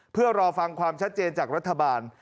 เพื่อรอฟังความชัดเจนจากรัฐบาล